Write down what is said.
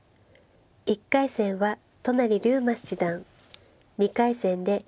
１回戦は都成竜馬七段２回戦で